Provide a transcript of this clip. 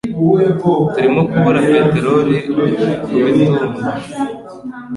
Turimo kubura peteroli kubitumba